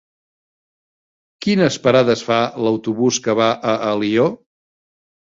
Quines parades fa l'autobús que va a Alió?